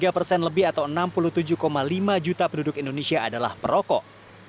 tiga persen lebih atau enam puluh tujuh lima juta penduduk indonesia adalah perokok